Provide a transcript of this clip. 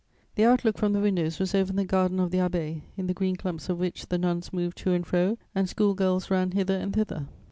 The outlook from the windows was over the garden of the Abbaye, in the green clumps of which the nuns moved to and fro and school girls ran hither and thither.